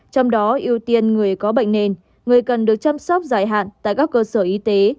trong đó ưu tiên người có bệnh nền người cần được chăm sóc dài hạn tại các cơ sở y tế